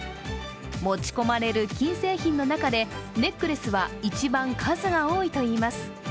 持ち込まれる金製品の中でネックレスは一番数が多いといいます。